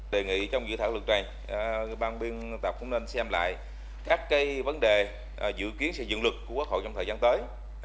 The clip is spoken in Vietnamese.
đề nghị trong dự thảo luật này ban biên tập cũng nên xem lại các vấn đề dự kiến xây dựng luật của quốc hội trong thời gian tới